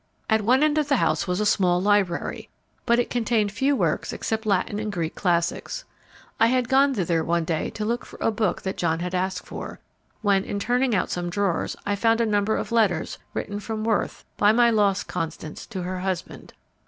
At one end of the house was a small library, but it contained few works except Latin and Greek classics. I had gone thither one day to look for a book that John had asked for, when in turning out some drawers I found a number of letters written from Worth by my lost Constance to her husband.